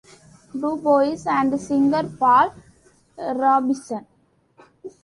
DuBois and singer Paul Robeson.